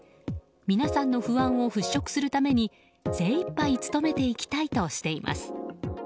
皆さんの不安を払拭するために精一杯努めていきたいとしています。